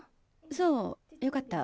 そうよかった。